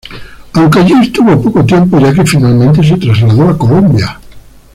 Aunque allí estuvo poco tiempo, ya que finalmente se trasladó a Colombia.